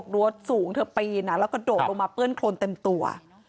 โดนมาเปิ้ลโครนเต็มตัว